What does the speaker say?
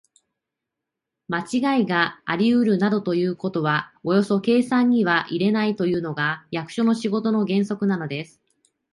まちがいがありうるなどということはおよそ計算には入れないというのが、役所の仕事の原則なのです。